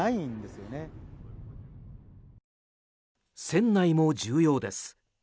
船内も重要です。